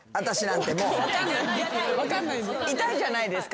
痛いじゃないですか。